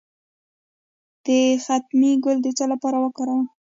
د ختمي ګل د څه لپاره وکاروم؟